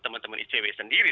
teman teman icw sendiri